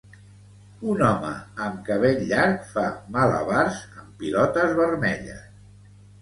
Un home amb cabell llarg fa malabars amb pilotes vermelles.